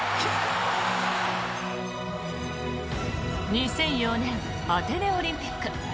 ２００４年アテネオリンピック。